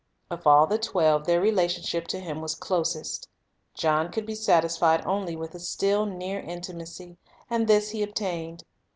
Of all the twelve their relation ship to Him was closest. John could be satisfied only with a still nearer intimacy, and this he obtained.